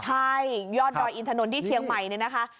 ใช่ยอดดอยอินถนนที่เชียงใหม่เนี่ยนะคะ